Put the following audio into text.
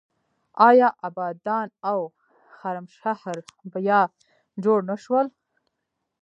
آیا ابادان او خرمشهر بیا جوړ نه شول؟